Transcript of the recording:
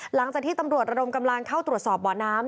หลังจากที่ตำรวจระดมกำลังเข้าตรวจสอบบ่อน้ำ